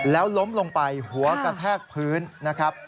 แล้วล้มลงไปหัวกระแทกพื้นนะครับ